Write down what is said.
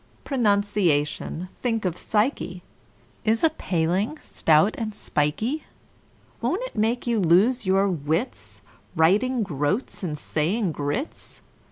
Pronunciation—think of psyche!— Is a paling, stout and spikey; Won't it make you lose your wits, Writing "groats" and saying groats?